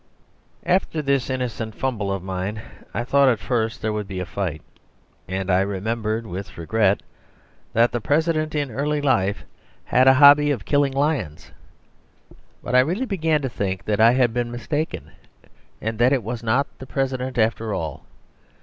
After this innocent CRI DE COEUR of mine, I thought at first there would be a fight, and I remembered with regret that the President in early life had had a hobby of killing lions. But really I began to think that I had been mistaken, and that it was not the President after all.